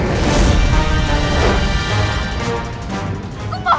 dan semakin lemah